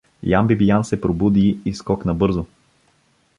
Ян Бибиян се пробуди и скокна бързо.